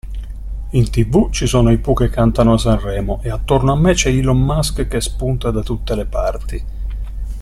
In tv ci sono i Pooh che cantano a Sanremo e attorno a me c'è Elon Musk che spunta da tutte le parti.